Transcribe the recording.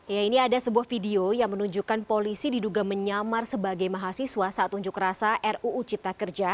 ya ini ada sebuah video yang menunjukkan polisi diduga menyamar sebagai mahasiswa saat unjuk rasa ruu cipta kerja